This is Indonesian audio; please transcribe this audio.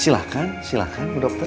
silahkan silahkan bu dokter